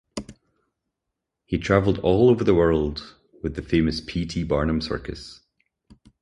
He traveled all over the world with the famous P. T. Barnum circus.